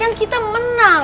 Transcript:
kan kita menang